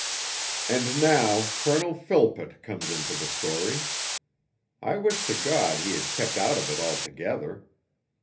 II And now Colonel Philpott comes into the story. I wish to God he had kept out of it altogether.